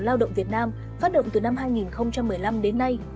lao động việt nam phát động từ năm hai nghìn một mươi năm đến nay